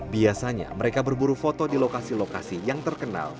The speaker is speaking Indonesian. biasanya mereka berburu foto di lokasi lokasi yang terkenal